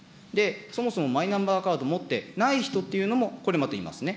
そもそもマイナンバーカード持ってない人っていうのも、これ、いますね。